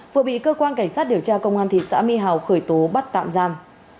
vừa bị cơ quan cảnh sát điều tra công an thị xã mỹ hào khởi tố bắt tạm giam